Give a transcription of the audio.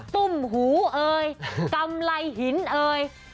ตุ้มหูเอ่ยกำไรหินเอ่ย